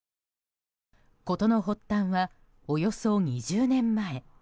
事の発端は、およそ２０年前。